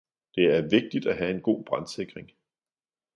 Det er vigtigt at have en god brandsikring.